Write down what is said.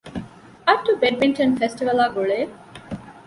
އައްޑޫ ބެޑްމިންޓަން ފެސްޓިވަލާގުޅޭ